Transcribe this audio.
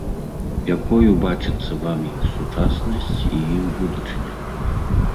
Якою бачыцца вам іх сучаснасць і іх будучыня?